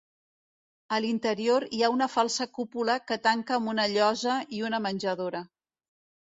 A l'interior hi ha una falsa cúpula que tanca amb una llosa i una menjadora.